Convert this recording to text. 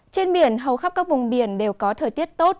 trên biển hầu khắp các vùng biển đều có thời tiết tốt